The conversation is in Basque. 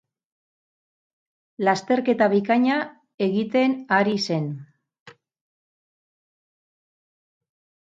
Lasterketa bikaina egiten ari zen.